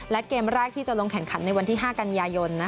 และเกมแรกที่จะลงแข่งขันในวันที่๕กันยายน